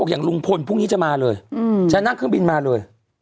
อย่างลุงพลพรุ่งนี้จะมาเลยจะนั่งเครื่องบินมาเลย